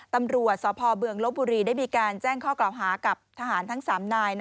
ตำรวจสพเมืองลบบุรีได้มีการแจ้งข้อกล่าวหากับทหารทั้ง๓นาย